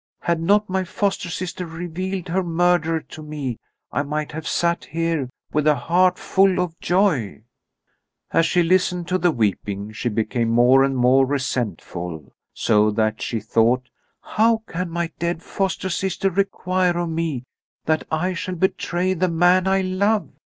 Had not my foster sister revealed her murderer to me I might have sat here with a heart full of joy." As she listened to the weeping she became more and more resentful, so that she thought: "How can my dead foster sister require of me that I shall betray the man I love?